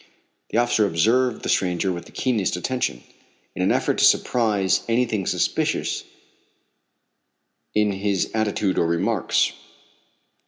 The officer observed the stranger with the keenest attention, in an effort to surprise anything suspicious in his attitude or remarks.